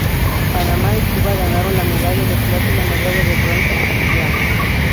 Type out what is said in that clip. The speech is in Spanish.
Panamá y Cuba ganaron la medalla de plata y la medalla de bronce, respectivamente.